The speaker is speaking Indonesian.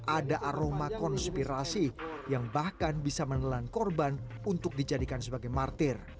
ada aroma konspirasi yang bahkan bisa menelan korban untuk dijadikan sebagai martir